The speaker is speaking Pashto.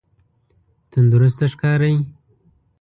تندرسته ښکاری؟